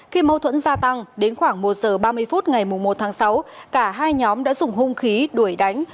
khi mâu thuẫn gia tăng đến khoảng một giờ ba mươi phút ngày một tháng sáu cả hai nhóm đã dùng hung khí đuổi đánh